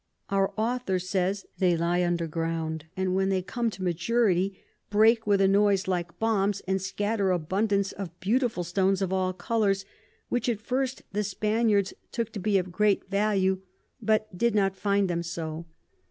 Our Author says, they lie under ground, and when they come to maturity, break with a noise like Bombs, and scatter abundance of beautiful Stones of all colours; which at first the Spaniards took to be of great Value, but did not find 'em so.